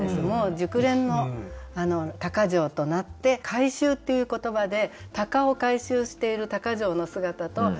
もう熟練の鷹匠となって「回収」っていう言葉で鷹を回収している鷹匠の姿と。